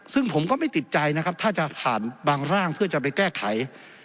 ซึ่งผมก็ไม่ติดใจนะครับถ้าจะผ่านบางร่างเพื่อจะไปแก้ไข